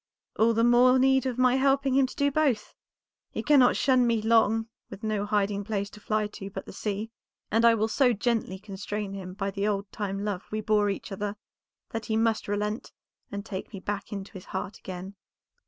"All the more need of my helping him to do both. He cannot shun me long with no hiding place to fly to but the sea, and I will so gently constrain him by the old time love we bore each other, that he must relent and take me back into his heart again."